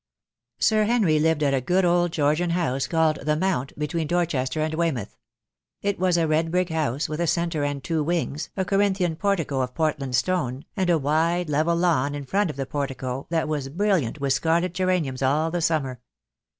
Sir Henry lived at a good old Georgian house called the Mount, between Dorchester and Weymouth. It was THE DAY WILL COME. 21$ a red brick house, with a centre and two wings, a Corin thian portico of Portland stone, and a wide level lawn in front of the portico, that was brilliant with scarlet geraniums all the summer.